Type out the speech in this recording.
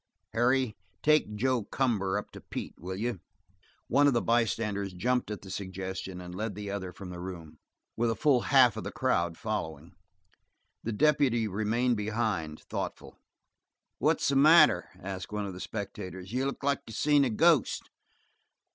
Harry, take Joe Cumber up to Pete, will you?" One of the bystanders jumped at the suggestion and led the other from the room, with a full half of the crowd following. The deputy remained behind, thoughtful. "What's the matter?" asked one of the spectators. "You look like you'd seen a ghost."